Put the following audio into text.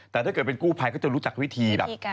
แต่ถ้าเกิดเป็นกู้ภัยก็จะรู้จักวิธีแบบ